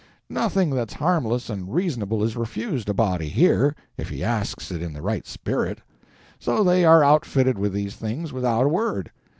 Nothing that's harmless and reasonable is refused a body here, if he asks it in the right spirit. So they are outfitted with these things without a word.